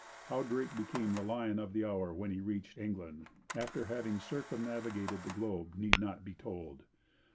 How Drake became the lion of the hour when he reached England, after having circumnavigated the globe, need not be told.